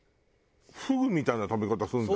フグみたいな食べ方するんだ。